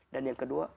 dan yang keempatnya